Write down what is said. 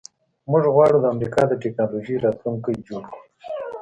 موږ غواړو د امریکا د ټیکنالوژۍ راتلونکی جوړ کړو